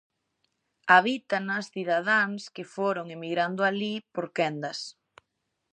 Habítanas cidadáns que foron emigrando alí por quendas.